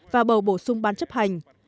và bầu bổ sung bán chấp hành